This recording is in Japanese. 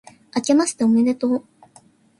あけましておめでとう